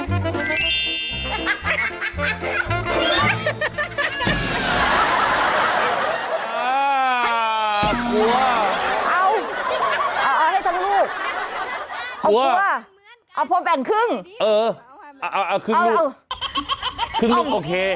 เอากลัวเอาพอแบ่งครึ่งเออเอาครึ่งลูกครึ่งลูกโอเค